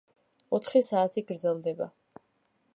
ოთხი საათი გრძელდება.